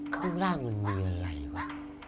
ข้างล่างมันมีอะไรวะ